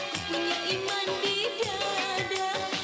kupunya iman di dada